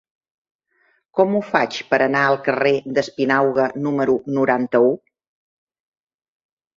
Com ho faig per anar al carrer d'Espinauga número noranta-u?